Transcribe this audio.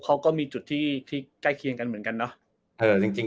เขาก็มีจุดที่ใกล้เคียงกันเหมือนกันเนอะ